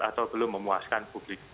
atau belum memuaskan publik